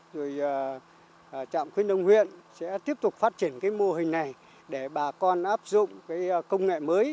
rồi trạm khuyến nông huyện sẽ tiếp tục phát triển cái mô hình này để bà con áp dụng cái công nghệ mới